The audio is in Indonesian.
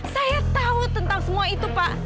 saya tahu tentang semua itu pak